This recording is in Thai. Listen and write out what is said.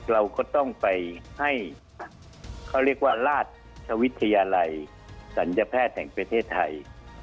เราก็ต้องไปให้เขาเรียกว่าราชวิทยาลัยสัญญแพทย์แห่งประเทศไทย